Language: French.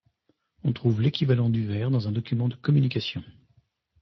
On trouve l'équivalent du vert dans un document de communication.